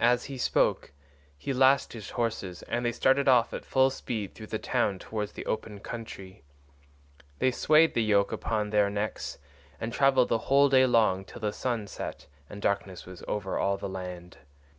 As he spoke he lashed his horses and they started off at full speed through the town towards the open country. They swayed the yoke upon their necks and travelled the whole day long till the sun set and darkness was over all the land.